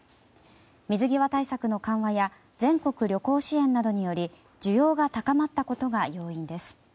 水際対策の緩和や全国旅行支援などにより需要が高まったことが要因です。